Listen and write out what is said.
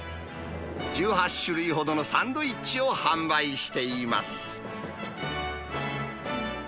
１８種類ほどのサンドイッチを販売しています。